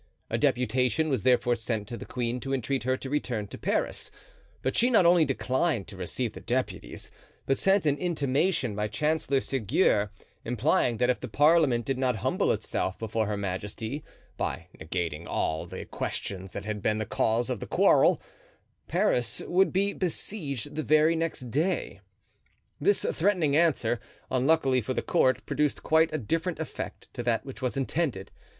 A deputation was therefore sent to the queen to entreat her to return to Paris; but she not only declined to receive the deputies, but sent an intimation by Chancellor Seguier, implying that if the parliament did not humble itself before her majesty by negativing all the questions that had been the cause of the quarrel, Paris would be besieged the very next day. This threatening answer, unluckily for the court, produced quite a different effect to that which was intended.